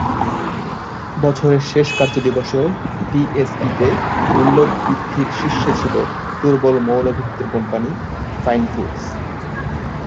বছরের শেষ কার্যদিবসেও ডিএসইতে মূল্য বৃদ্ধির শীর্ষে ছিল দুর্বল মৌলভিত্তির কোম্পানি ফাইন ফুডস।